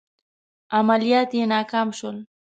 عملیات یې ناکام شول.